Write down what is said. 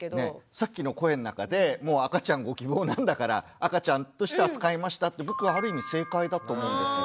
さっきの声の中でもう赤ちゃんご希望なんだから赤ちゃんとして扱いましたって僕はある意味正解だと思うんですよ。